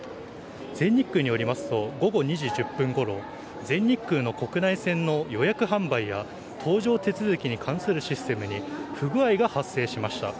全日空によりますと、午後２時１０分ごろ全日空の国内線の予約・販売や搭乗手続きに関するシステムに不具合が発生しました。